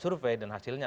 survey dan hasilnya